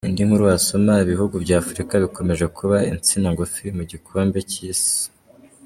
Indi nkuru wasoma:Ibihugu bya Afurika bikomeje kuba insina ngufi mu gikombe cy’Isi.